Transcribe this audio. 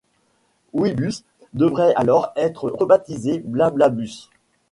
Ouibus devrait alors être rebaptisé BlaBlaBus.